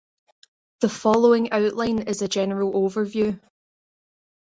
The following outline is a general overview.